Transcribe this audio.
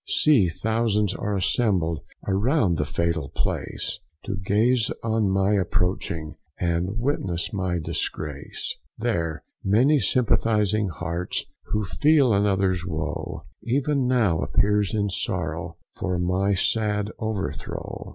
See thousands are assembled Around the fatal place, To gaze on my approaching, And witness my disgrace. There many sympathising hearts, Who feel another's woe, Even now appears in sorrow, For my sad overthrow.